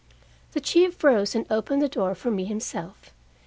The chief rose and opened the door for me himself.